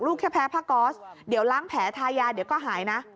แค่แพ้ผ้าก๊อสเดี๋ยวล้างแผลทายาเดี๋ยวก็หายนะ